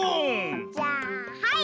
じゃあはい！